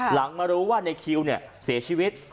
หลังมารู้ว่าในคิวเสียชีวิต